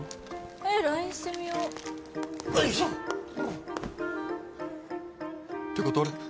えっＬＩＮＥしてみよおいしょてか誰？